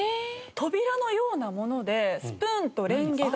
扉のようなものでスプーンとレンゲが。